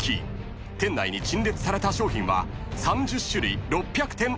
［店内に陳列された商品は３０種類６００点以上］